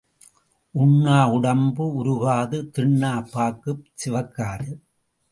உண்ணா உடம்பு உருகாது தின்னாப் பாக்குச் சிவக்காது.